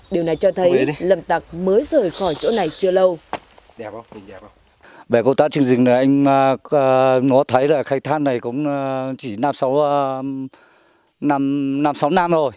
điều này cho thấy lâm tặc mới rời khỏi chỗ này chưa lâu